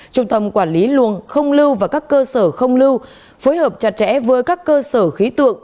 trung tâm quản lý luồng không lưu và các cơ sở không lưu phối hợp chặt chẽ với các cơ sở khí tượng